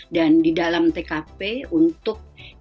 dan di dalam tkp itu yang ada di luar